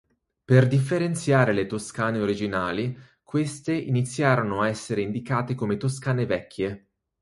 Per differenziare le "toscane" originali, queste iniziarono ad essere indicate come "toscane vecchie".